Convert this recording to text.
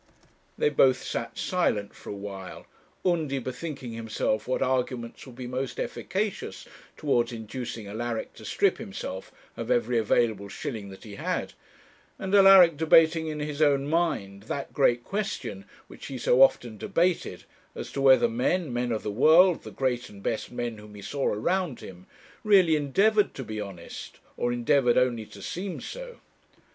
They both sat silent for a while, Undy bethinking himself what arguments would be most efficacious towards inducing Alaric to strip himself of every available shilling that he had; and Alaric debating in his own mind that great question which he so often debated, as to whether men, men of the world, the great and best men whom he saw around him, really endeavoured to be honest, or endeavoured only to seem so.